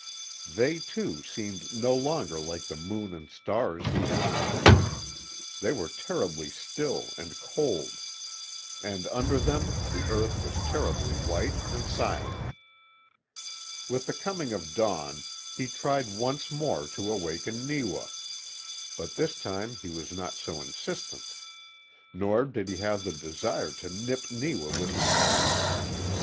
They, too, seemed no longer like the moon and stars he had known. They were terribly still and cold. And under them the earth was terribly white and silent. With the coming of dawn he tried once more to awaken Neewa. But this time he was not so insistent. Nor did he have the desire to nip Neewa with his teeth.